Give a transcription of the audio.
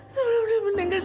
sebelum dia meninggal